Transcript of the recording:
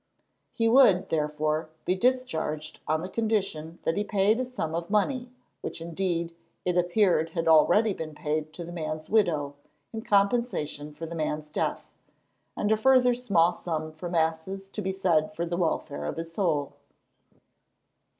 He would, therefore, be discharged on the condition that he paid a sum of money, which, indeed, it appeared had already been paid to the man's widow, in compensation for the man's death, and a further small sum for Masses to be said for the welfare of his soul.